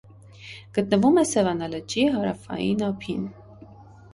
Գտնվում է Սևանա լճի հարավային ափին։